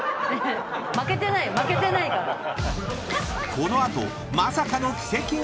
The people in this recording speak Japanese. ［この後まさかの奇跡が！］